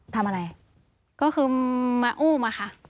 ทำอะไรก็คือมาอุ้มอะค่ะ